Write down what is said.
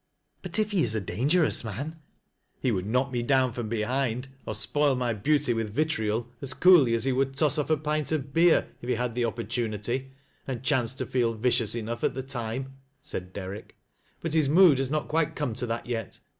" But if he is a dangerous man —"." He would knock me down from behind, or spoil iny beauty with vitriol as coolly as he would toss off a pint oi beer, if he had the opportunity, aud chanced to feel vicious enough at the time," said Derrick. "But his mood has not quite come to that yet.